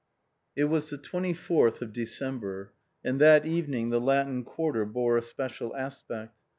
It was the 24th of December, and that evening the Latin Quarter bore a special aspect.